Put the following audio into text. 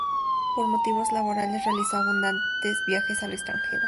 Por motivos laborales, realizó abundantes viajes al extranjero.